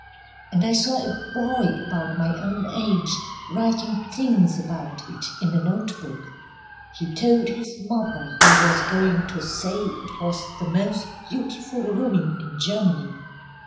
And I saw a boy about my own age writing things about it in a note book. He told his mother he was going to say it was the most beautiful ruin in Germany.